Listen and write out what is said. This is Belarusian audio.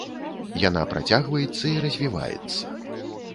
Яна працягваецца і развіваецца.